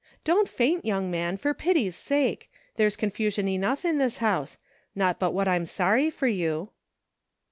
Don't faint, young man, for pity's sake ; there's confusion enough in this house ; not but what I'm sorry for you."